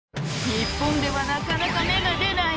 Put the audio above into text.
日本ではなかなか芽が出ない。